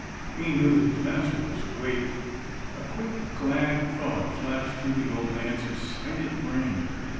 He knew that his master was awake. A quick, glad thought flashed through the old man's excited brain.